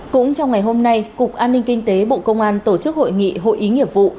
cũng trong ngày hôm nay cục an ninh kinh tế bộ công an tổ chức hội nghị hội ý nghiệp vụ